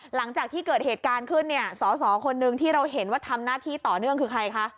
หลังจากที่เกิดเหตุการณ์ขึ้นเนี่ยสอสอคนนึงที่เราเห็นว่าทำหน้าที่ต่อเนื่องคือใครคะ